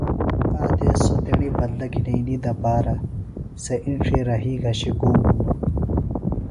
آک دیس سوۡ تیݨی بدلہ گِھنئنی دپارا سےۡ اِنڇی رھئی گھشیۡ گُوم ہِنوۡ